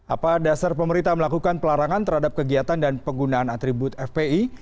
apa dasar pemerintah melakukan pelarangan terhadap kegiatan dan penggunaan atribut fpi